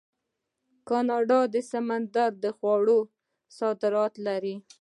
کاناډا د سمندري خوړو صادرات لري.